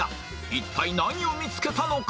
一体何を見つけたのか？